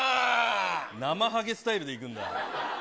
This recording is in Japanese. なまはげスタイルでいくんだ。